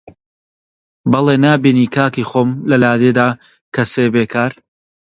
بەڵێ نابینی کاکی خۆم لە لادێدا کەسێ بێکار